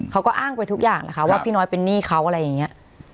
เขาก็อ้างไปทุกอย่างแหละค่ะว่าพี่น้อยเป็นหนี้เขาอะไรอย่างนี้